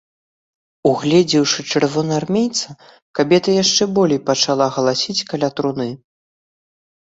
Угледзеўшы чырвонаармейца, кабета яшчэ болей пачала галасіць каля труны.